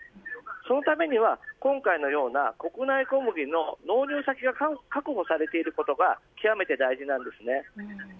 そのためには今回のような国産小麦の納入先が確保されていることが極めて大事なんです。